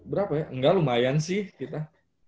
berapa ya enggak lumayan sih kita